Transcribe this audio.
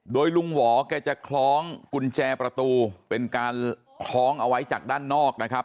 โดยลุงหวอแกจะคล้องกุญแจประตูเป็นการคล้องเอาไว้จากด้านนอกนะครับ